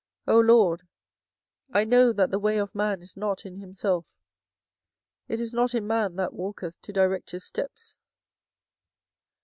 24:010:023 O LORD, I know that the way of man is not in himself: it is not in man that walketh to direct his steps.